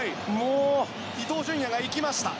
伊東純也が行きました。